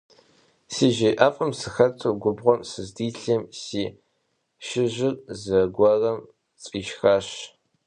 Жей ӀэфӀым сыхэту губгъуэм сыздилъым си шыжьыр зэгуэрым сфӀишхащ.